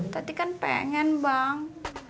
tati kan pengen bang